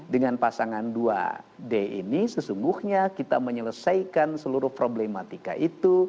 dengan pasangan dua d ini sesungguhnya kita menyelesaikan seluruh problematika itu